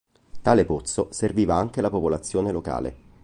Tale pozzo serviva anche la popolazione locale.